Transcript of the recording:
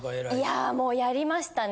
いやもうやりましたね。